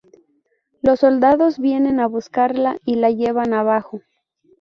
Los soldados vienen a buscarla y la llevan abajo.